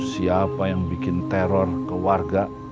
siapa yang bikin teror ke warga